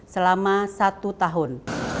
selama satu tahun